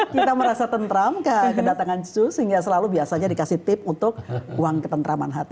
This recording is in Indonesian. kita merasa tentram kedatangan su sehingga selalu biasanya dikasih tip untuk uang ketentraman hati